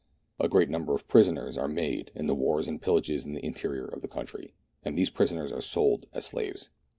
A great number of prisoners are made in the wars and pillages in the interior of the country, and these prisoners are sold as slaves.